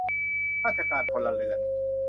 ราชการพลเรือน